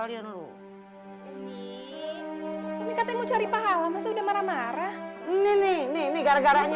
ini nih gara garanya